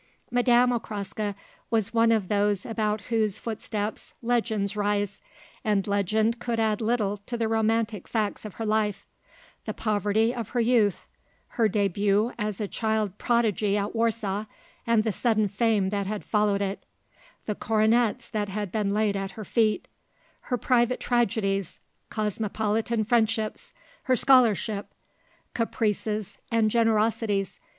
Madame Okraska was one of those about whose footsteps legends rise, and legend could add little to the romantic facts of her life; the poverty of her youth; her début as a child prodigy at Warsaw and the sudden fame that had followed it; the coronets that had been laid at her feet; her private tragedies, cosmopolitan friendships, her scholarship, caprices and generosities.